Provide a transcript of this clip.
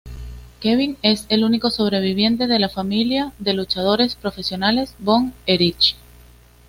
Kevin es el único sobreviviente de la familia de luchadores profesionales Von Erich.